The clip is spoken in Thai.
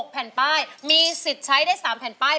แผ่นป้ายมีสิทธิ์ใช้ได้๓แผ่นป้าย